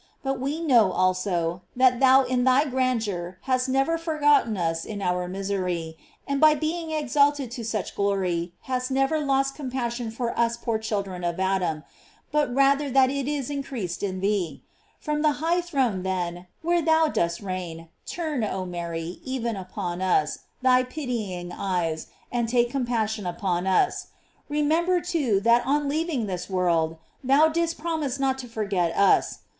But we know also, that thou in thy grandeur hast never forgotten us in our misery, and by being exalted to such glory hast never lost compassion 496 GLOEIES OP MAKY. for us poor children of Adam, but rather that it is increased in thee. From the high throne then, where thou dost reign, turn, oh Mary, even upon us, thy pitying eyes, and take com passion upon us. Remember, too, that on leav ing this world, thou didst promise not to forget us.